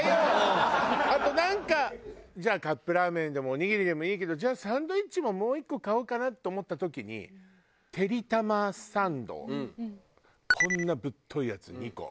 あとなんかじゃあカップラーメンでもおにぎりでもいいけどじゃあサンドイッチももう１個買おうかなって思った時にてりたまサンドこんなぶっといやつ２個。